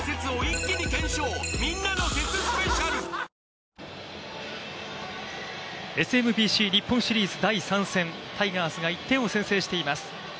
ニトリＳＭＢＣ日本シリーズ第３戦、タイガースが１点を先制しています